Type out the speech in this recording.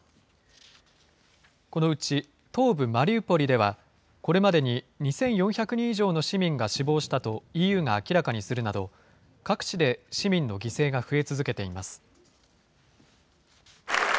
このうち東部マリウポリでは、これまでに２４００人以上の市民が死亡したとＥＵが明らかにするなど、各地で市民の犠牲が増え続けています。